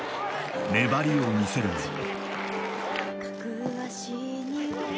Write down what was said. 粘りを見せるも。